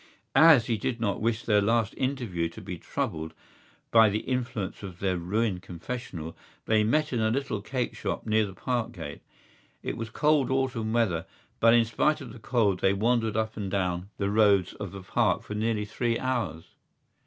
As he did not wish their last interview to be troubled by the influence of their ruined confessional they met in a little cakeshop near the Parkgate. It was cold autumn weather but in spite of the cold they wandered up and down the roads of the Park for nearly three hours.